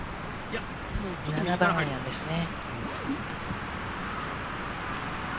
７番アイアンですね。